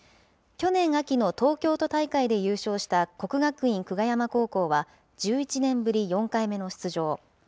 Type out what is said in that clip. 去年秋の東京都大会で優勝した国学院久我山高校は１１年ぶり４回目の出場。